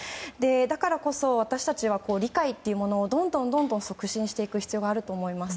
だからこそ、私たちは理解というものをどんどん促進していく必要があると思います。